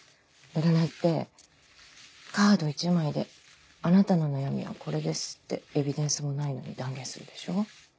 占いってカード１枚であなたの悩みはこれですってエビデンスもないのに断言するでしょ。